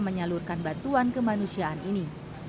menyalurkan bantuan kemanusiaan ini